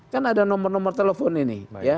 kan ada nomor nomor telepon ini